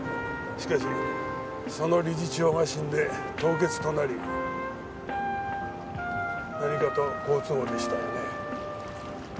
しかしその理事長が死んで凍結となり何かと好都合でしたよね。